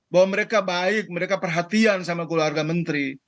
bahwa mereka baik mereka perhatian sama keluarga menteri